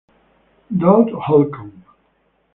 Doug Holcomb